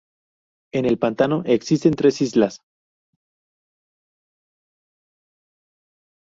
En el pantano existen tres islas.